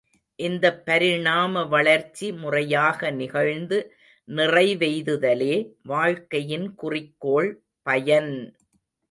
இந்தப் பரிணாம வளர்ச்சி, முறையாக நிகழ்ந்து நிறைவெய்துதலே வாழ்க்கையின் குறிக்கோள் பயன்!